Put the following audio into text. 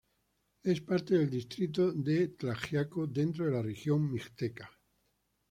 Es parte del distrito de Tlaxiaco, dentro de la región mixteca.